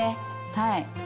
はい。